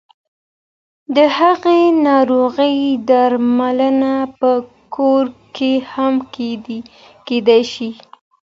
د هغې ناروغۍ درملنه په کور کې هم کېدای شي.